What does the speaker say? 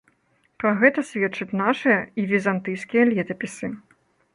Пра гэта сведчаць нашыя і візантыйскія летапісы.